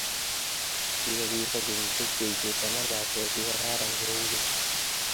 Kikosirto kenyisiek che itei taman pate tikararan kou keny